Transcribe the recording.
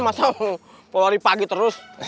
masa polari pagi terus